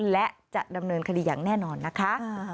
และจะดำเนินคดีอย่างแน่นอนนะคะ